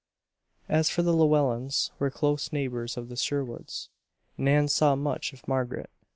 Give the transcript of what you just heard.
As the Llewellens were close neighbors of the Sherwoods, Nan saw much of Margaret.